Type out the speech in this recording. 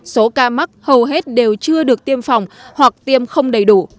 số ca mắc hầu hết đều chưa được tiêm phòng hoặc tiêm không đầy đủ